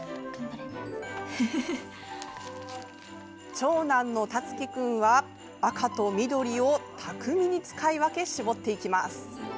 長男のたつき君は赤と緑をたくみに使い分け絞っていきます。